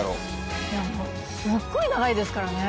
いやもうすっごい長いですからね。